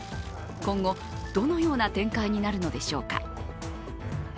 今後どのような展開になるのでしょうか。